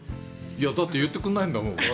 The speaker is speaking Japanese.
だって、言ってくんないんだもん。